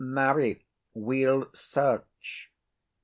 Marry, we'll search.